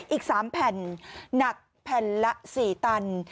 อีก๓แผ่นหนักแผ่นละ๔ตัน